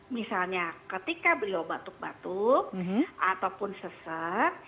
misalnya ketika beliau batuk batuk ataupun sesak